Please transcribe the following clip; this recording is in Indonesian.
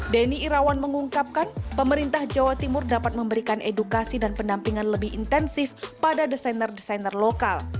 denny irawan mengungkapkan pemerintah jawa timur dapat memberikan edukasi dan pendampingan lebih intensif pada desainer desainer lokal